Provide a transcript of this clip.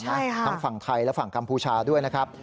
ทั้งฝั่งไทยและฝั่งกัมพูชาด้วยนะครับ